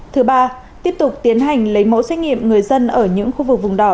thứ ba tiếp tục tiến hành lấy mẫu xét nghiệm người dân ở những khu vực vùng đỏ